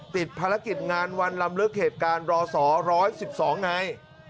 ติดภารกิจงานวันลำลึกเหตุการณ์รส๑๑๒ไง